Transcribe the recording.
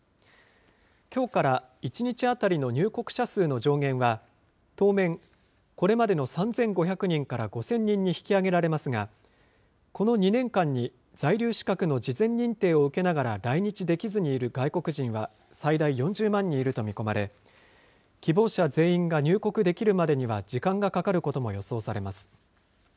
きょうから１日当たりの入国者数の上限は、当面、これまでの３５００人から５０００人に引き上げられますが、この２年間に在留資格の事前認定を受けながら来日できずにいる外国人は最大４０万人いると見込まれ、希望者全員が入国できるまでには時間がかかることも予想されます。